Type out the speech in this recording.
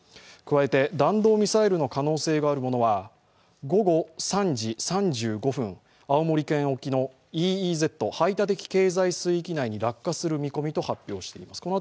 加えて、弾道ミサイルの可能性のあるものは午後３時３５分、青森県沖のＥＥＺ＝排他的経済水域内に落下する見込みと発表しています。